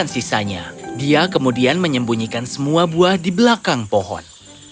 sisanya dia kemudian menyembunyikan semua buah di belakang pohon